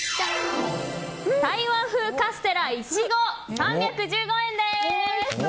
台湾風カステラ苺３１５円です。